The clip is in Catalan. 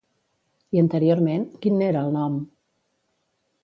I anteriorment, quin n'era el nom?